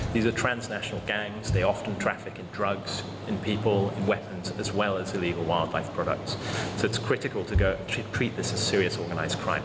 เพื่อช่วยใจมันเกิดไปจากผู้ปล่อยต้าน